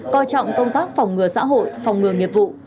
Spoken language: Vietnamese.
coi trọng công tác phòng ngừa xã hội phòng ngừa nghiệp vụ